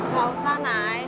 gak usah nay